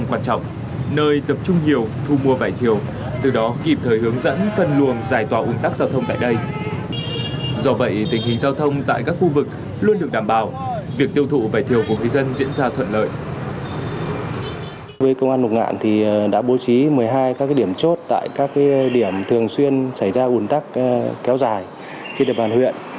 với công an lục ngạn thì đã bố trí một mươi hai các điểm chốt tại các điểm thường xuyên xảy ra ung tắc kéo dài trên đợt bàn huyện